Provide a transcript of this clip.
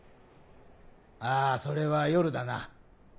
あぁそれは夜だな。